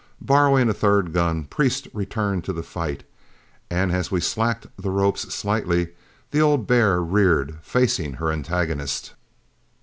Borrowing a third gun, Priest returned to the fight, and as we slacked the ropes slightly, the old bear reared, facing her antagonist.